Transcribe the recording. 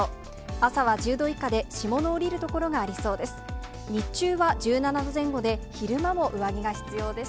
朝は１０度以下で霜の降りる所がありそうです。